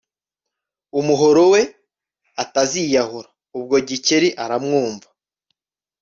umuhorowe ataziyahura » Ubwo Gikeli aramwumva